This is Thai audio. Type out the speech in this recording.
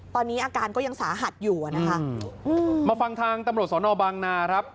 ตอนนี้อาการก็ยังสาหัสอยู่มาฟังทางตำรวจสนบางนา